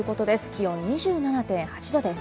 気温２７．８度です。